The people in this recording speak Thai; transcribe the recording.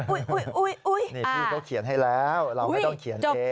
นี่พี่เขาเขียนให้แล้วเราไม่ต้องเขียนเอง